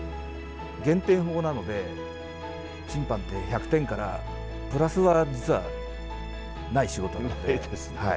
減点法なので、審判って１００点からプラスは実はない仕事なので。